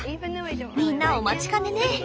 みんなお待ちかねね。